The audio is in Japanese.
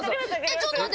ちょっと待って。